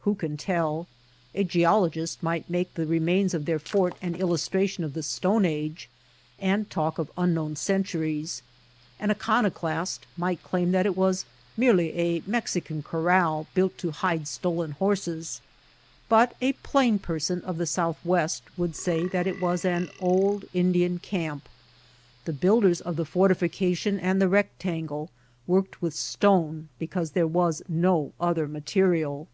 Who can tell ? A geologist might make the remains of their fort an il lustration of the Stone Age and talk of un known centuries ; an iconoclast might claim that it was merely a Mexican corral built to hide stolen horses ; but a plain person of the southwest would say that it was an old Indian camp. The builders of the fortification and the rectangle worked with stone because there was no other material.